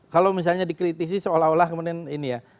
kalau misalnya dikritisi seolah olah kemudian ini ya